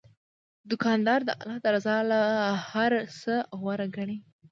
دوکاندار د الله رضا له هر څه غوره ګڼي.